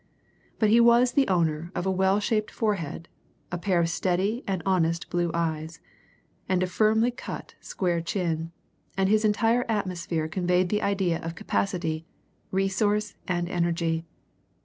But he was the owner of a well shaped forehead, a pair of steady and honest blue eyes, and a firmly cut square chin, and his entire atmosphere conveyed the idea of capacity, resource, and energy.